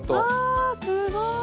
あすごい。